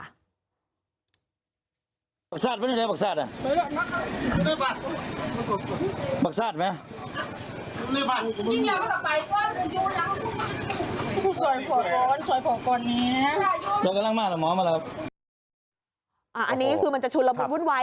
อันนี้คือมันจะชุนละมุนวุ่นวาย